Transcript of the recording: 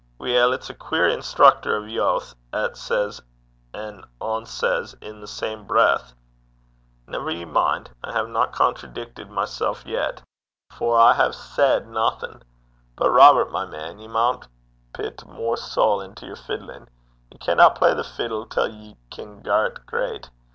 'Weel, it's a queer instructor o' yowth, 'at says an' onsays i' the same breith.' 'Never ye min'. I haena contradickit mysel' yet; for I hae said naething. But, Robert, my man, ye maun pit mair sowl into yer fiddlin'. Ye canna play the fiddle till ye can gar 't greit.